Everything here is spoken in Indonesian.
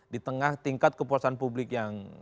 di tengah tingkat kepuasan publik yang